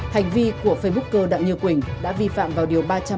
hành vi của facebook cơ đặng như quỳnh đã vi phạm vào địa chỉ